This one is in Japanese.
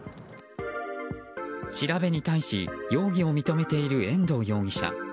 調べに対し容疑を認めている遠藤容疑者。